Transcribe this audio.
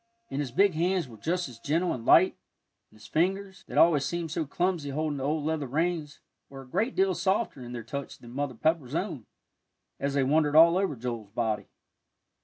And his big hands were just as gentle and light, and his fingers, that always seemed so clumsy holding the old leather reins, were a great deal softer in their touch than Mother Pepper's own, as they wandered all over Joel's body.